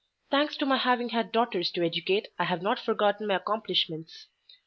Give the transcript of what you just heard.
Thanks to my having had daughters to educate, I have not forgotten my accomplishments.